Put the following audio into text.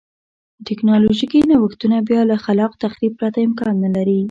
ټکنالوژیکي نوښتونه بیا له خلاق تخریب پرته امکان نه لري.